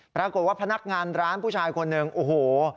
ปรากฏว่าพนักงานร้านผู้ชายคนหนึ่งโอ้โฮ